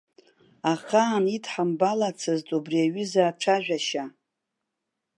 Ахаан идҳамбалацызт убри аҩыза ацәажәашьа.